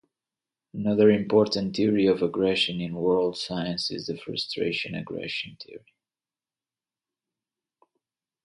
Another important theory of aggression in world science is the frustration-aggression theory.